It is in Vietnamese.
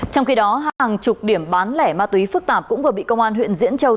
trong khi đó hàng chục điểm bán lẻ ma túy phức tạp cũng vừa bị công an huyện diễn châu